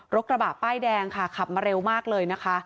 กระบะป้ายแดงค่ะขับมาเร็วมากเลยนะคะ